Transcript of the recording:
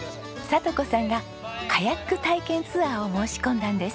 聡子さんがカヤック体験ツアーを申し込んだんです。